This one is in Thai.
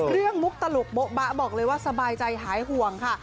มุกตลกโบ๊บะบอกเลยว่าสบายใจหายห่วงค่ะ